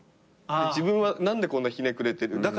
自分は何でこんなひねくれてる。